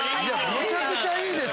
めちゃくちゃいいです。